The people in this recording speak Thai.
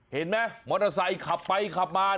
เห็นไหมมอเตอร์ไซค์ขับไปขับมา